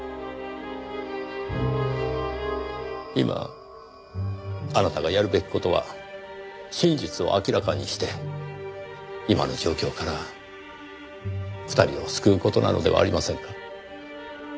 今あなたがやるべき事は真実を明らかにして今の状況から２人を救う事なのではありませんか？